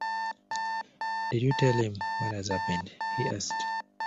“Did you tell him what has happened?” he asked.